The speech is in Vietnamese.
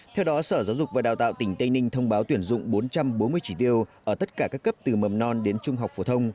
theo đó sở giáo dục và đào tạo tỉnh tây ninh thông báo tuyển dụng bốn trăm bốn mươi chỉ tiêu ở tất cả các cấp từ mầm non đến trung học phổ thông